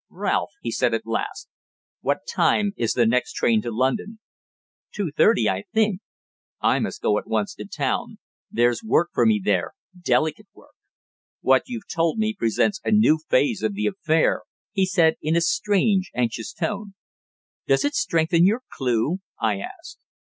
"Ralph," he said at last, "what time is the next train to London?" "Two thirty, I think." "I must go at once to town. There's work for me there delicate work. What you've told me presents a new phase of the affair," he said in a strange, anxious tone. "Does it strengthen your clue?" I asked.